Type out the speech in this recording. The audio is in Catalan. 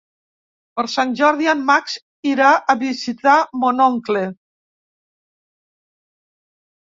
Per Sant Jordi en Max irà a visitar mon oncle.